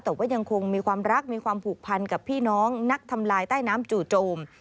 แต่ว่ายังคงมีความรักมีความผูกพันกับพี่น้องนักทำลายใต้น้ำจู่โจม